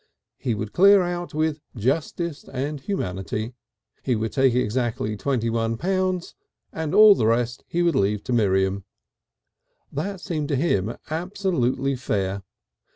He would "clear out," with justice and humanity. He would take exactly twenty one pounds, and all the rest he would leave to Miriam. That seemed to him absolutely fair.